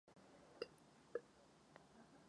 Nepál je podle všeho dotlačen ke spolupráci s Čínou.